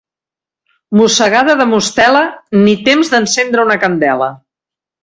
Mossegada de mostela, ni temps d'encendre una candela.